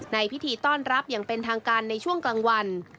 ในพิธีต้อนรับอย่างเป็นทางการในช่วงกลางวัน